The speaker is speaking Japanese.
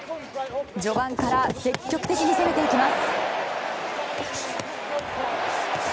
序盤から積極的に攻めていきます。